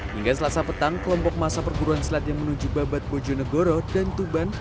hingga selasa petang kelompok masa perguruan silat yang menuju babat bojonegoro dan tuban